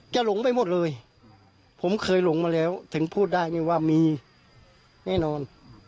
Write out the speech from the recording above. หลงไปหมดเลยผมเคยหลงมาแล้วถึงพูดได้นี่ว่ามีแน่นอน